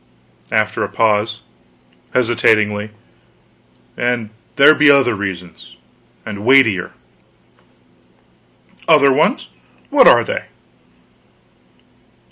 After a pause hesitatingly: "and there be other reasons and weightier." "Other ones? What are they?"